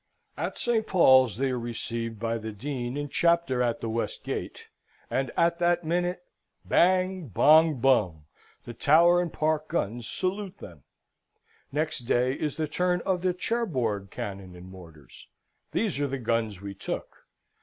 At St. Paul's they are received by the Dean and Chapter at the West Gate, and at that minute bang, bong, bung the Tower and Park guns salute them! Next day is the turn of the Cherbourg cannon and mortars. These are the guns we took.